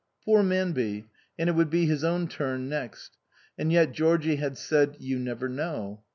Poor Manby ! And it would be his own turn next. And yet Georgie had said, "You never know.''